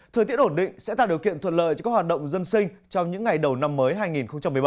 thời tiết ổn định sẽ tạo điều kiện thuận lợi cho các hoạt động dân sinh trong những ngày đầu năm mới hai nghìn một mươi bảy